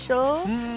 うん。